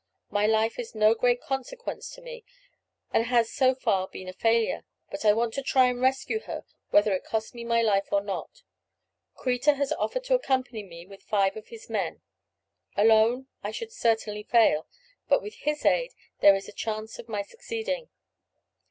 My life is of no great consequence to me, and has so far been a failure; but I want to try and rescue her whether it costs me my life or not. Kreta has offered to accompany me with five of his men. Alone, I should certainly fail, but with his aid there is a chance of my succeeding."